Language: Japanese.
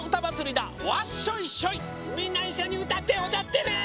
みんないっしょにうたっておどってね！